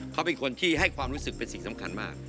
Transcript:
เขาเป็นคนที่ให้ความรู้สึกเป็นสิ่งสำคัญมาก